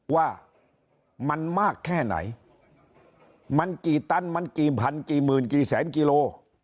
ว่ามันมากแค่ไหนมันกี่ตันมันกี่พันกี่หมื่นกี่แสนกิโล